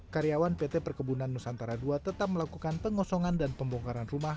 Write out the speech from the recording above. karyawan pt perkebunan nusantara ii tetap melakukan pengosongan dan pembongkaran rumah